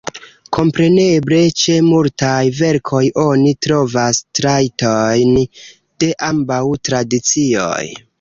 Kompreneble, ĉe multaj verkoj oni trovas trajtojn de ambaŭ tradicioj.